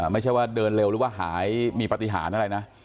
ไม่ใช่ว่าเดินเร็วหรือว่าหายมีปฏิหารอะไรนะ